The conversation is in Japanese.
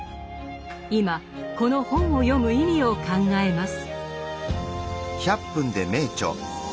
今この本を読む意味を考えます。